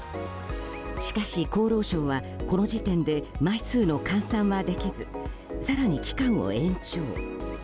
しかし、厚労省はこの時点で枚数の換算はできず更に期間を延長。